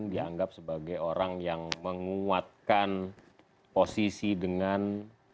dianggap sebagai orang yang menguatkan posisi dengan